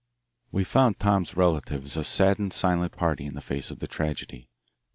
We found Tom's relatives a saddened, silent party in the face of the tragedy.